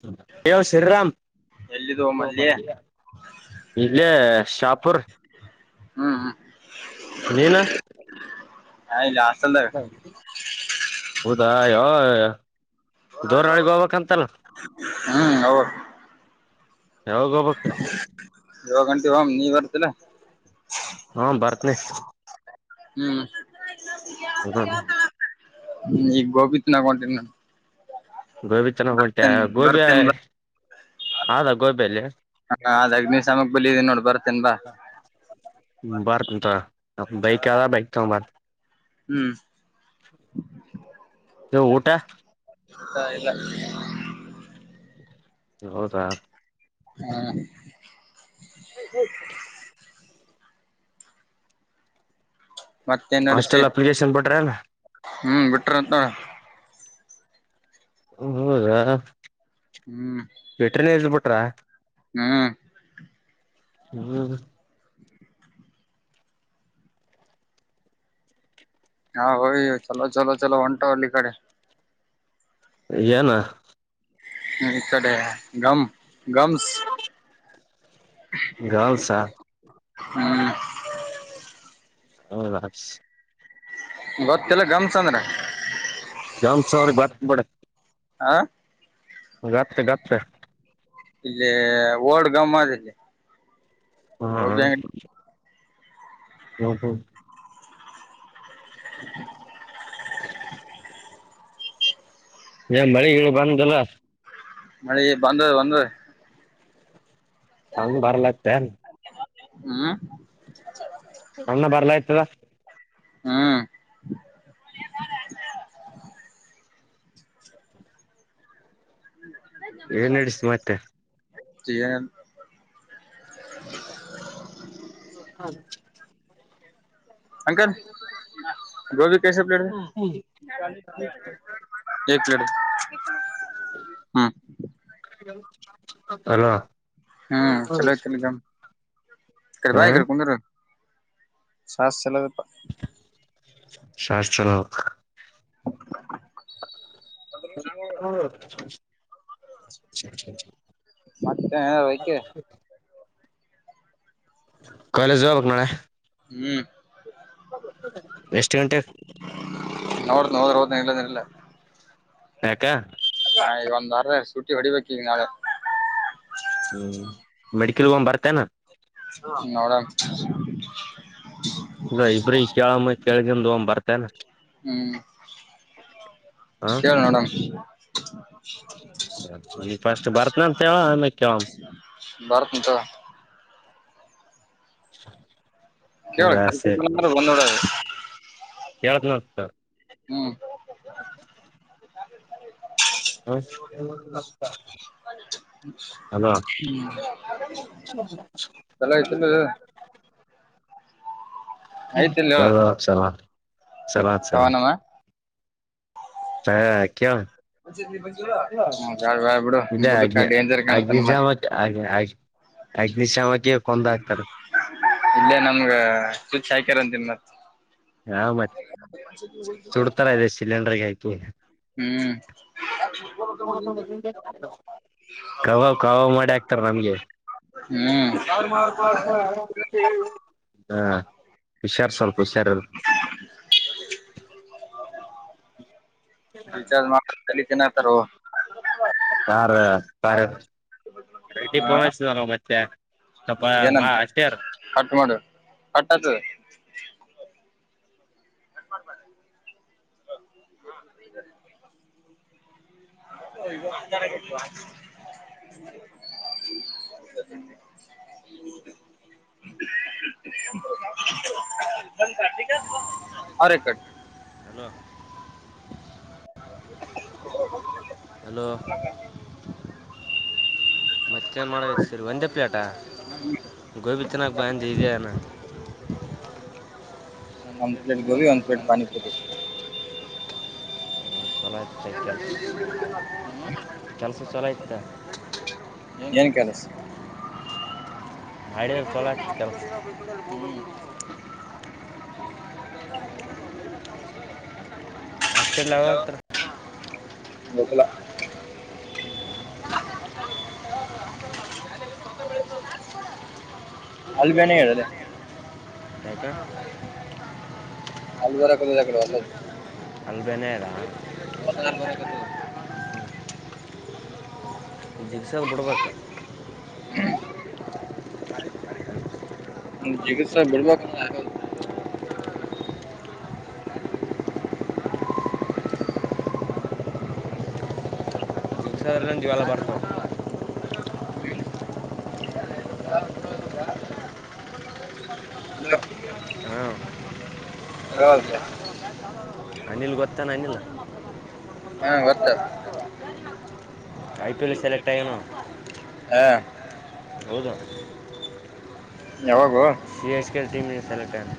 [unintelligible] ಹೇಳೋ ಶ್ರೀರಾಮ್. ಎಲ್ಲಿದು ಹೋಮ್ ಅಲ್ಲಿ ಇಲ್ಲೆ ಶಾಪುರ್. ಹ ಹ ನೀನ. ಹಾಯ್ ಜಾಸಲ್ಲ. ಹೌದಾ ಯಾವ [unintelligible] ದರಳಿ ಬಬಕ ತಲ್ಲ ಹ್ಮ್ ಇವಾಗಂಟೆ ಹಮ ನೀ ಬರ್ತ್ತಲ್ಲ ಹಾ ಬರತ್ ನಿ ಹ್ಮ್ ಹ್ಮ್ ಹ್ಮ ಈಗ ಗೋಬಿತ್ ನಾಗ ಹೊಟನಿ ನಾನನ್ ಗೋಬಿ ತನ್ನ ಹೊಂಟೆ ಗೋಬಿ ಬರ್ತೇನ್ ಬ ಹೌದಾ ಗೋಬಿಯಲ್ಲಿ ಹಾ ಅದಾಗ ನೀವ ಸಮ ಬಲೀದಿ ನೋಡ್ ಬರ್ತ್ತೇನ್ ಬಾ ಬರ್ತ್ಂತ ಬೈಕ್ದ ಬೈಕ್ ತೊಗೊ ಬರ ಹ್ಮ್ ಇ ಊಟಾ ಹ ಇಲ್ಲ ಹೌದಾ ಹಾ ಹೆ ಮತ್ತೇನ್ ನಡ್ಸಿ ಹಾಸ್ಟೆಲ್ ಅಪ್ಲಿಕೇಶನ್ ಬಿಟ್ರೇನ ಹ್ಮ್ ಬಿಟ್ರಂತ ಹೌದಾ ಹ್ಮ್ ಶವೆಟ್ರನ ಇಬಿಟ್ರ ಹ್ಮ್ ಹ್ಮ್ ಹಾ ಹಯ ಚಲೋ ಚಲೋ ಚಲೋ ಹೊಂಟಾವ ಅಲ್ಲಿ ಕಡೆ ಏನು ಇತಡ ಗಮ ಗಮ [inaudible] ಗರ್ಲ್ಸ್ ಆ ಹಾ ಹೌದ ಗೊತ್ತಲ್ಲ ಗಮ್ ಚಂದ್ರ [unintelligible] ಎಂ ಸಾವ್ರಿಗೆ ಬತಬಡ ಹಾ [unintelligible] ಗಾಪ್ ಸ ಗಪ್ ಸರ್ ಇಲ್ಲಿ ಓಡ್ ಗಮ್ಮತ್ ಇಲ್ಲಿ ಹಾ ಹ ಗೋಬಿ ಅಂಗಡಿ ಹ ಹ [inaudible] ಏನ್ ಮಳಿಗಳು ಬಂದಲ್ಲ ಮಳಿ ಬಂದ ಬಂದ [unintelligible] ಭಾರ ಲ್ತ ಹ್ಮ್ ಅಣ್ಣ ಬರ್ಲಾಯ್ತದ ಹ್ಮ್ ಏನ್ ನಡಿಸಿ ಮತ್ತೆ [unintelligible] ಹೌ ಹೌದ ಗೋಭಿ ಕಸಿ ಪ್ಲೇಟ್ [unintelligible] ಹ್ಮ್ ಅಲೋ ಹ್ಮ್ ಚಲೋಯ್ತ ಈ ಕಡೆ ಹ ಬಾ ಕುಂದರು ಚಸ್ ಚಲ್ಲದು [unintelligible] ಸಷ್ಟ ಚಲ ಅ ಸಾ [unintelligible] ಹೌ ಮತ್ತೆ ಓಕೆ ಕಾಲೇಜು ಹೋಗಬೇಕು ನಾಳೆ ಹ್ಮ್ ಎಷ್ಟು ಗಂಟೆ ನೋಡ್ತನ ಹೋದ್ರ ಹೋದ್ನ ಇಲ್ಲಂದ್ರ ಇಲ್ಲ ಯಾಕೆ ಹಾ ಈಗ ಒಂದ್ಾರ ಶುಟಿ ಹೊಡಿಬೇಕು ಈಗ ನಾಳೆ ಹ್ಮ್ ಮೆಡಿಕಲ್ ಹಂದು್ ಬರ್ತೇನಾ ನೋಡನಾ ಇಬ್ರ ಕೆೇಳಮ್ಮ ಕೆಳ್ಗನ್ ಹ ಬರ್ತೇನ ಹ್ಮ್ ಹ ಕೇಳು ನೋಡಮ ನೀ ಫಸ್ಟ್ ಬರ್ತ್ನಂತ ಹೇಳವ ಆಮೇಲೆ ಕೇಳೋಣ ಬರ್ತಿನ್ ತಗೋ ಹ [unintelligible] ಕವ ಬಂದುಡ [unintelligible] ಎೇಳ್ತ ನ ಸರ್ [unintelligible] [inaudible] ಹ್ಮ ಹ್ಮ [unintelligible] ಹ [unintelligible] ಹ್ಮ ಎಲ್ಲ ಆಯ್ತಲ್ಲ ಐತಿಲ್ಲ ಹೇಳ ಹೌಲ ಸಲ ಸಲತ್ ಸಲತ್ ಪವನಮ್ಮ ಹಾ ಕೇಳ ಾ ಬ ಬಿಡು ಮುದು ಡೇಂಜರ್ ಕಾಣುತ್ತ ನಮ್ಮೆ [unintelligible] ಹಾಗ ಅಗ್ನಿಶಾಮಕ್ಕೆ ಕೊಂದ ಹಾಕ್ತಾರೆ [unintelligible] ಇೇ ನಮಗ ಸುಚ್ ಹಾಯ್ಕ್ಯರ್ ಅಂತೀನ್ಿ ಮತ್ತ [unintelligible] [inaudible] ಹಾ ಮತ್ತ ಸುಡ್ತಾರ ಇದೆ ಸಿಲಿಂಡರ್ಗೆ ಗಾಕಿ ಹ್ಮ್ ಕವಾಬ್ ಕವಾಬ್ ಮಾಡಿ ಆಕ್ತಾರ ನಮ್ಗೆ ಹ್ಮ್ ಹ [unintelligible] ಹಾ ಹುಷಾರ್ ಸ್ವಲ್ಪ ಹುಷಾರ [inaudible] ರೀಚಾರ್ಜ್ ಮಾಡ್ ತಲಿತನತಾರ ಯಾರ ಯಾರ ರೆಡಿ ಹ ಫೋನ್ ಹಚ್ಚಿತಲ್ಲ ಮತ್ತೆ ಸ್ವಲ್ಪ ಏನಂತ ಅಷ್ಟೇ ಯಾರ ಕಟ್ ಮಾಡು ಕಟ್ ಆಯತದೆ [inaudible] [inaudible] [inaudible] ಬ ಅರೆ ಕಡೆ [unintelligible] ಹಲೋ ಹ ಅಲೋ ಮತ್ತೆ ಮಾಡೋತೆ ಸರಿ ಒಂದೇ ಪ್ಲೇಟಾ ಗೋಬಿ ತಿನ್ನಕ್ ಬಂದಿದ್ದೆ ಇದೇನಾ ಒಂದು ಪ್ಲೆಟ್ ಗೋಭಿ ಒಂದು ಪ್ಲೆಟ್ ಪಾನಿಪುರಿ ಚಲಯ ಕೆ ಕೆಲಸ ಚಲ ಇತ್ತ ಏ ಕೆಲಸ ಮಾಡಾದ ಚಲತ [inaudible] ಬದಲ ಅಲ್ಲಿ ಬನೆ ಹೇಳಲ್ಲ ತ ಅಲ್ಬರ ಕದಕಡೆ ಹೊಸದು ಅಲ್ ಬೆನಡಾ ದಿಸಲ್ಲಿ ಬಿಡ್ಬೇಕು ಹ್ಮ ಗತ್ಸ ಚಿಕಿತ್ಸೆ ಬ ಬಿಡ್ಬೇಕಂದ್ರೆ ಆಗಲ್ಲ [inaudible] ದಸ ಜ ಎಲ್ಲ ಪಡ್ತಾರೆ [inaudible] [inaudible] ಹಾ ಹಾ ಅನಿಲ್ ಗೊತ್ತೇಾನ ಅನಿಲ್ ಗೊತ್ತ ಐಪಿಎಲ್ ಸೆಲೆಕ್ಟ್ ಆಯಣ ಹ ಹೌದಾ ಯಾವಾಗೋ C S K team select ಹ್ಮ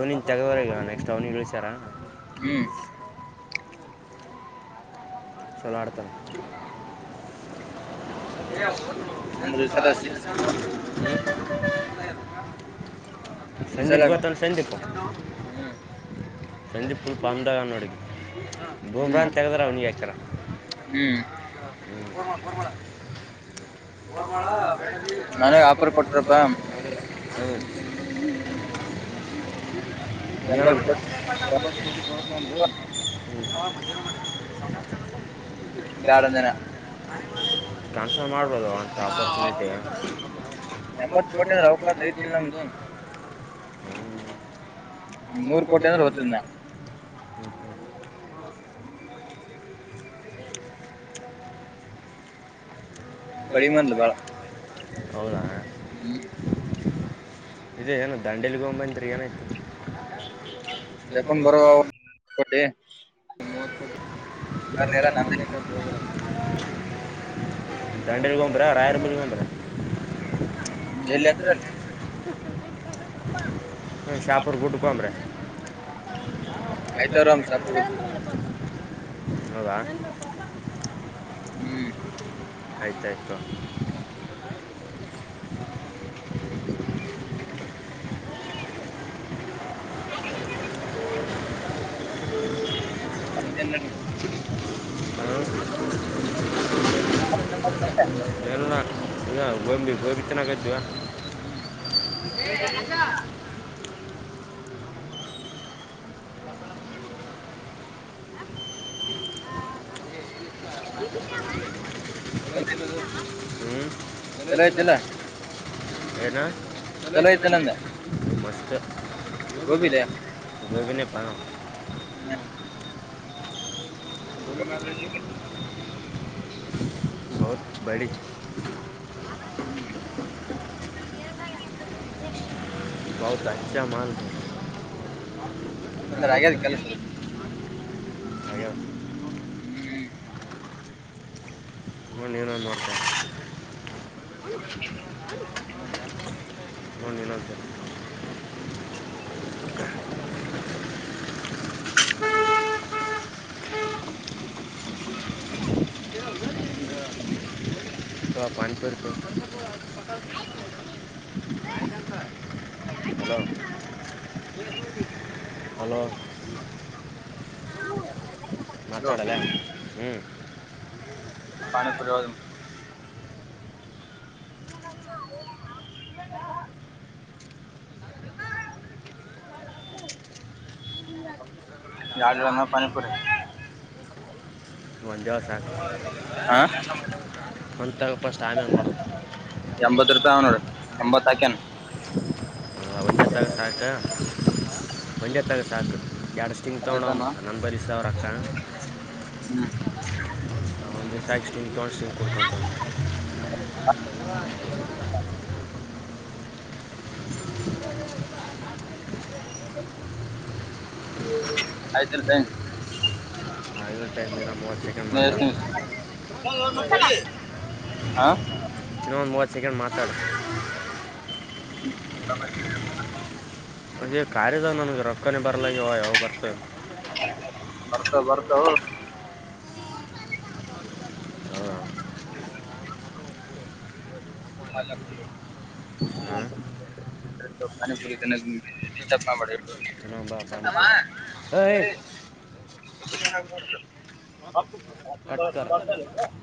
ನನ್ ತಗವರೆ ನೆಕ್ಸ್ಟ್ ಅವನಿಗೆಸಾರ ಹ್ಮ ಚಲಾಡ್ತ ಚ [inaudible] ಹ ಅಂದ್ರೆ ಈ ಸಲ ಈ ಸಂಜೀಪ್ ಸಲ ಗತ ಸಂಂದೀಪ ಸಂದೀಪ್ ಫುಲ್ಪ ಅಂದಾಗ ನೋಡ ಬೂಮ್ರಾ ಹ್ಮ್ ಅಂತ ತಗದ್ರ ಅವ್ನಿಗೆ ಹಾಚಾರ ಹ್ಮ್ ಬಮ ಬಮಳ ಮ ನನಗ್ ಆಫರ್ ಕೊಲ್ಲ ಕೊಟ್ರಪ್ಪ ಹ್ಮ ಇನ್ನ ಎಂಬತ್ ಬಿಟಾ ಕೋಟಿ [inaudible] ಲ್ಲ ಅ ಬ್ಯಾಡ ಆದಂದನ ಅಂದನ ಟ್ರಾನ್ಸ್ಫರ್ ಮಾಡ್ಬೋದು ಅಂಥ ಅಪರ್ಚುನಿಟಿ ಎಂಬತ್ ಕೋಟಿ ಮ ರ ಅಂದ್ರ ಅವಕಾಶ ಐತಿಲ್ಲ ನಮ್ ಮುೆ ನೂರು ನೂರ್ ಕೋಟೆ ಕೋಟಿ ಅಂದ್ರ ವರ್ತ ಹೋತಿದ್ ನಾ ಕಡಿಮೆ ಕಡಿಮಂತ ಅಂದ್ಲ ಬಾಳ ಹೌದಾ ಹ್ಮ್ ಇೇ ಏನು ದಂಡೇಲಿಗೊತ್ರಿ ಏನಾಯತು ಪ ಬರ ಕ ರ ನಂದ [inaudible] ದಂಡಗ ಬಂದ್ರ ರಾಯರ್ಗ ಬಂದ್ರ ಎಲ್ಲಿ ಅಂದ್ರ ಶಾಪುರ ಗುಡ್ಕಮ್ರ. ಆಯ್ತಾರ ಶಾಪುರ್ ಬಿಡು ಹೌದಾ. ಹ್ಮ್ ಆಯ್ತಾಯಯ್ತು. [inaudible] [inaudible] ಹಾ [inaudible] ಗೋಬಿ ತಿನ್ನಾಕತ್ತಿವೆ [inaudible] ಚಲೋ [inaudible] ಐತಿಲ್ಲ ಹ್ಞೂ ಚಲೋ ಐತಿಲ್ಲ ಚಲೋ ಐತಿಲ್ಲ ಅಂದೆ [inaudible] ಗೋಬಿಲೆ [inaudible] [inaudible] [inaudible] [inaudible] ಬೌ ತಾಜಾ ಮಾಲ್ ಅಂದ್ರ ಹಾಗವೆ ಆಗ್ಯದ ಕೆಲಸ ಹ್ಮ್ ನ ಏನ [inaudible] ಒ ನಿಿನಂತ [inaudible] ತವಾ ಬಾಣಿಪಕ ಹಲೋ ಹಲೋ ಅೋ ಮಾತಾಡಲ್ಲ ಹ್ಞೂ ಅಪಾಣ ಪ್ರರವಾದ ಹ [inaudible] ಯಳರನ್ನ ಪಾನಿಪುರ ಮಂಜ ಸಾ ಹಾ ಅಂತ ತಗಪ್ಪಸ್ಟ್ ಆಮ್ಯಾಗ ನೋಡ ಎಂಬತ್ತು ರೂಪಾಯಿ ಅವನೋಡಿ ಎಂಬತ್ ಹಾಕ್ಯನು ಒಂದೇ ತಗ ಸಾಕು ಒಂದೇ ತಗ ಸಾಕು ಎಡುಷ್ಟ್ಟಿಂಗ್ ಒಂದೇ ತಗೊಂಡಮ್ಮ ತಾನ ನನ್ನ ಬರಿ ದಾವರಕ್ಕ ಹ್ಮ ಸ್ಯಾಕ್ಸ್ ಜ ಸ್ಟಮ್ ಕೊಡ್ತೊತ ಹ [inaudible] [inaudible] ಹ್ಮ್ ಆಯ್ತ ಇದ ಆಯ ಟೈಮ ನಮ್ಮ ಒತ್ತಗ ಮಟ ಎಷ್ಟು ನಿಮಿಷ [unintelligible] ಹಾ ಇನ್ನೊಂದು ಮೂವತ್ತೇಳಿ ಮಾತಾಡ [unintelligible] ಕಾರ್ಯದಾಗ ರೊಕ್ಕ ನ ಬರ್ಲ ಆಗ್ಯಾವ ಬರ್ತ ಬರ್ತ [unintelligible] [unintelligible] ಹಾಂ ಇನ್ನೊಂದು ಬಾ ಏಯ್ [unintelligible] ಹ ಕಟ್ಕರ [unintelligible]